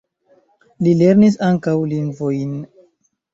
Li lernis ankaŭ lingvojn.